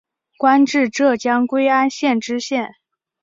官至浙江归安县知县。